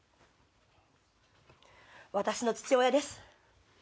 私の父親です。